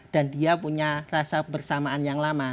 dan dia punya rasa bersamaan yang lama